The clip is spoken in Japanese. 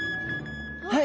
はい。